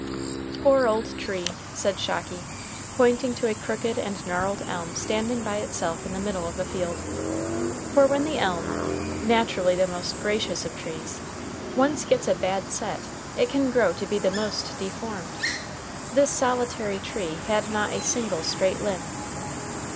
"Poor old tree!" said Shocky, pointing to a crooked and gnarled elm standing by itself in the middle of a field. For when the elm, naturally the most graceful of trees, once gets a "bad set," it can grow to be the most deformed. This solitary tree had not a single straight limb.